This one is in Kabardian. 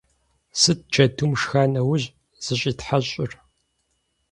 Сыт джэдум шха нэужь зыщӀитхьэщӀыр?